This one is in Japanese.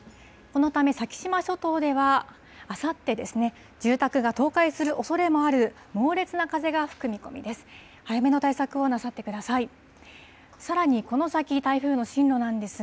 このため、先島諸島では、あさって、住宅が倒壊するおそれもある猛烈な風が吹く見込みです。